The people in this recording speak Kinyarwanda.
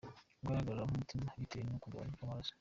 Guhagarara k’umutima bitewe no kugabanuka kw’amaraso .